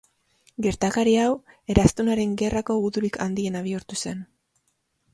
Gertakari hau Eraztunaren Gerrako gudurik handiena bihurtu zen.